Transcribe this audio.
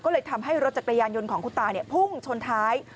ก็เลยทำให้รถจักรยานยนต์ของคุณตาพุ่งชนท้าย